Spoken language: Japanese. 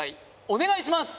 お願いします！